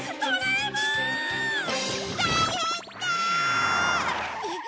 大変だっ！